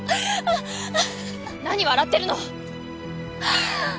何笑ってるの！